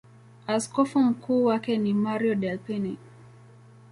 Askofu mkuu wake ni Mario Delpini.